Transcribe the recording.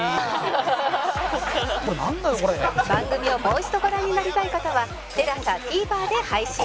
番組をもう一度ご覧になりたい方は ＴＥＬＡＳＡＴＶｅｒ で配信